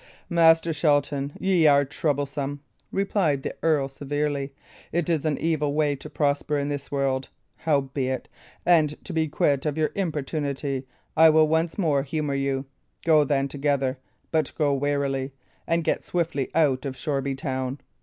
"Master Shelton, ye are troublesome," replied the earl, severely. "It is an evil way to prosper in this world. Howbeit, and to be quit of your importunity, I will once more humour you. Go, then, together; but go warily, and get swiftly out of Shoreby town.